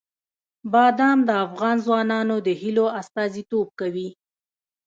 بادام د افغان ځوانانو د هیلو استازیتوب کوي.